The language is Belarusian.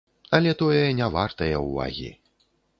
Але тое не вартае ўвагі.